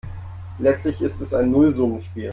Letztlich ist es ein Nullsummenspiel.